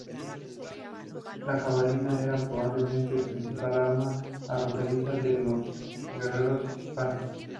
La jabalina era probablemente el principal arma arrojadiza de los guerreros hispanos.